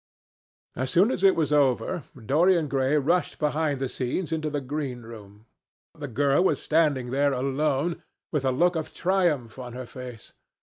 As soon as it was over, Dorian Gray rushed behind the scenes into the greenroom. The girl was standing there alone, with a look of triumph on her face.